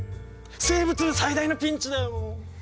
生物部最大のピンチだよ！